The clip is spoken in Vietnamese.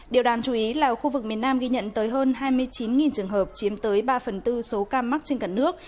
điều đáng chú ý là khu vực miền nam ghi nhận tới hơn hai mươi chín trường hợp chiếm tới ba phần tư số ca mắc trên cả nước